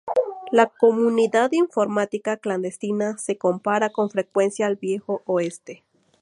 La comunidad informática clandestina se compara con frecuencia al Viejo Oeste.